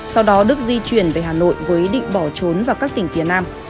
sau đó đức di chuyển về hà nội với ý định bỏ trốn vào các tỉnh phía nam